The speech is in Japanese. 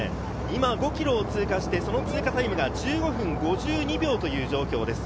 今５ｋｍを通過して、その通過タイムが１５分５２秒という状況です。